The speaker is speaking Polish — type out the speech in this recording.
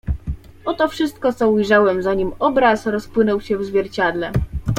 "Oto wszystko, co ujrzałem, zanim obraz rozpłynął się w zwierciadle."